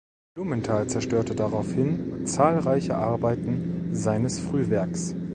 Blumenthal zerstörte daraufhin zahlreiche Arbeiten seines Frühwerks.